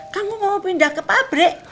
kamu mau pindah ke pabrik